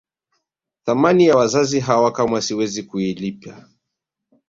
Thamani ya wazazi hawa kamwe siwezi kuilipa